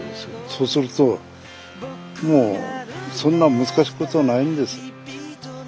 そうするともうそんな難しいことはないんですよ。